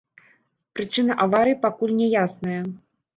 Прычыны аварыі пакуль няясныя.